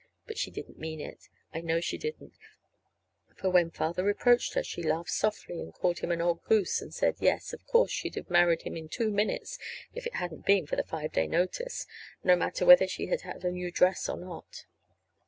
But she didn't mean it. I know she didn't; for when Father reproached her, she laughed softly, and called him an old goose, and said, yes, of course, she'd have married him in two minutes if it hadn't been for the five day notice, no matter whether she ever had a new dress or not.